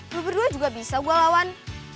gue berdua juga bisa gue lawan